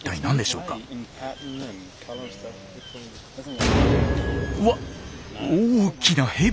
うわっ大きなヘビ！